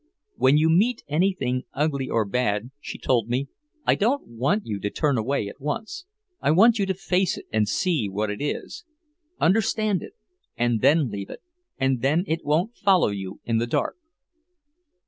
"When you meet anything ugly or bad," she told me, "I don't want you to turn away at once, I want you to face it and see what it is. Understand it and then leave it, and then it won't follow you in the dark."